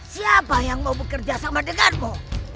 siapa yang mau bekerja sama denganmu